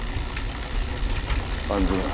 案ずるな。